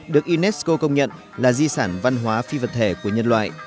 được unesco công nhận là di sản văn hóa phi vật thể của nhân loại